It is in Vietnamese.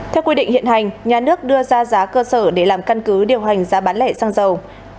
theo quy định hiện hành nhà nước đưa ra giá cơ sở để làm căn cứ điều hành giá bán lẻ xăng dầu